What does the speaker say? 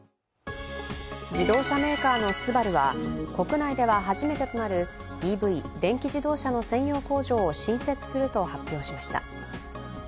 自動車メーカーのＳＵＢＡＲＵは国内で初めてとなるＥＶ＝電気自動車の専用工場を新設すると発表しました。